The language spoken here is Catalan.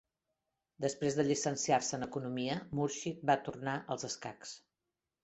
Després de llicenciar-se en Economia, Murshed va tornar als escacs.